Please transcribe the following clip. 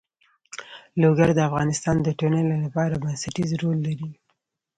لوگر د افغانستان د ټولنې لپاره بنسټيز رول لري.